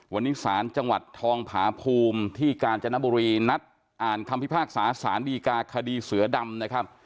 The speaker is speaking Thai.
วันนี้ศาลจังหวัดทองผาภูมิที่กาญจนบุรีนัดอ่านคำพิพากษาสารดีกาคดีเสือดำนะครับ